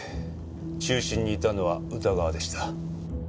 中心にいたのは宇田川でした。